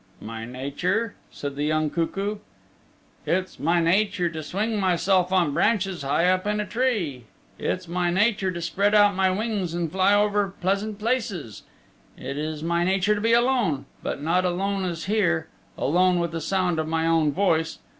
"My nature?" said the young cuckoo. "It's my nature to swing myself on branches high up in a tree. It's my nature to spread out my wings and fly over pleasant places. It is my nature to be alone. But not alone as here. Alone with the sound of my own voice."